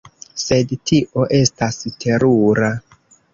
Sed tio estas terura!